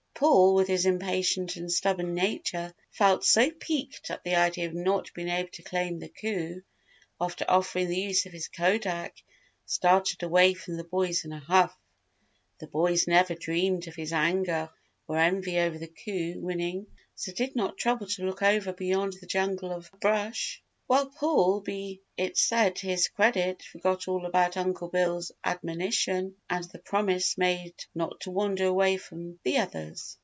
Paul, with his impatient and stubborn nature, felt so piqued at the idea of not being able to claim the coup after offering the use of his kodak, started away from the boys in a huff. The boys never dreamed of his anger or envy over the coup winning so did not trouble to look over or beyond the jungle of brush. While Paul, be it said to his credit, forgot all about Uncle Bill's admonition and the promise made not to wander away from the others.